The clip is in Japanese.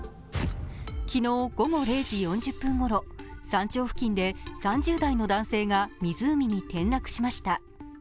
昨日午後０時４０分ごろ山頂付近で３０代の男性が湖に転落しました。